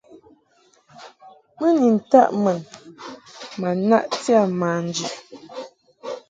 Mɨ ni ntaʼ mun ma naʼti a manji.